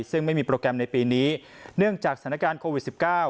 ซึ่งไม่มีโปรแกรมในปีนี้เนื่องจากสถานการณ์โควิด๑๙